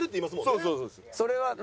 そうそうそうそう。